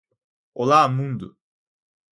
Olá, mundo.